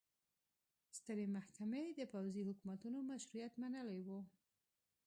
سترې محکمې د پوځي حکومتونو مشروعیت منلی و.